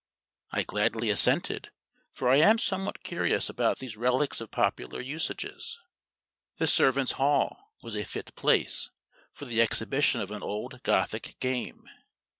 I gladly assented, for I am somewhat curious about these relics of popular usages. The servants' hall was a fit place for the exhibition of an old Gothic game.